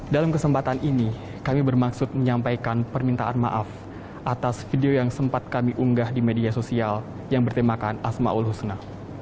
dalam kesempatan ini kami bermaksud menyampaikan permintaan maaf atas video yang sempat kami unggah di media sosial yang bertemakan ⁇ asmaul ⁇ husna